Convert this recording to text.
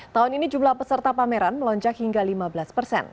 tahun ini jumlah peserta pameran melonjak hingga lima belas persen